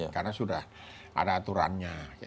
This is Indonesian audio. karena sudah ada aturannya